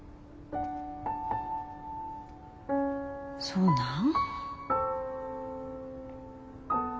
そうなん。